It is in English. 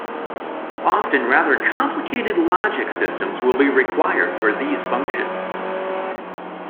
Often rather complicated logic systems will be required for these functions.